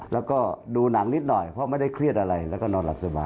แล้วก็ดูหนังนิดหน่อยเพราะไม่ได้เครียดอะไรแล้วก็นอนหลับสบาย